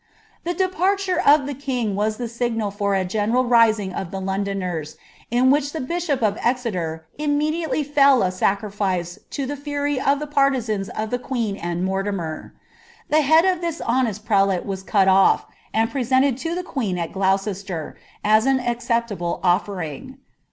The departure of the king was the signal for a general rising of Af Londoners, in which the bishop of Exeter immediately fell a McaSet Vt the fury of the partisans of the queen and Mortimer. The head of iki* honest prelate was cut off, and presented lo the queen at Glouce«ter,M an acceptable olTering.